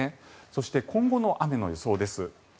そして今後の雨の予想です。